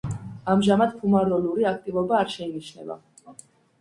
ამჟამად ფუმაროლური აქტივობა არ შეინიშნება.